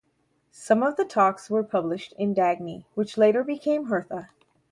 Some of the talks were published in "Dagny" which later became "Hertha".